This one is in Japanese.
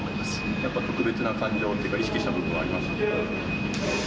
やっぱり特別な感情というか、意識した部分はありますか？